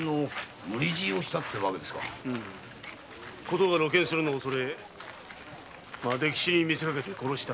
事が露見するのを恐れて溺死にみせかけて殺した。